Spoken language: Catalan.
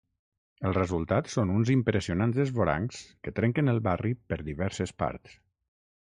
El resultat són uns impressionants esvorancs que trenquen el barri per diverses parts.